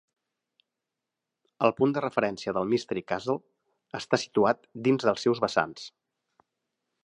El punt de referència del Mystery Castle està situat dins dels seus vessants.